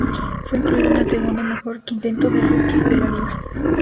Fue incluido en el segundo mejor quinteto de rookies de la liga.